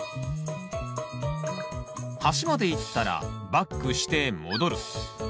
端まで行ったらバックして戻る。